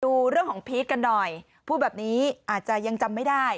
ดูเรื่องของพีชกันหน่อยพูดแบบนี้อาจจะยังจำไม่ได้